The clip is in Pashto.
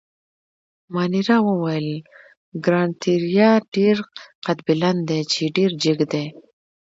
مانیرا وویل: ګراناتیریا ډېر قدبلند دي، چې ډېر جګ دي.